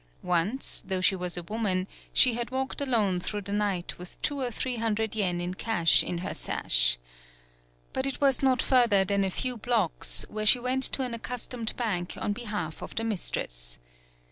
Once, though she was a woman, she had walked alone through the night with two or three hundred yen in cash in her sash. But it was not further than a few blocks where she went to an accustomed bank on behalf of the mis tress.